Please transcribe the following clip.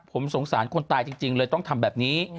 ผมสงสารคนตายจริงเลยต้องทำแบบนี้